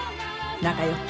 仲良く。